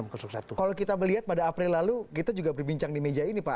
kalau kita melihat pada april lalu kita juga berbincang di meja ini pak